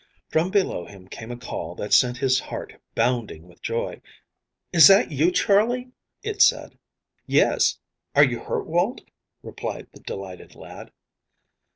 From below him came a call that sent his heart bounding with joy: "Is that you, Charley?" it said. "Yes. Are you hurt, Walt?" replied the delighted lad.